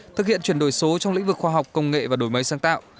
thực hiện chuyển đổi số trong lĩnh vực khoa học công nghệ và đổi mới sáng tạo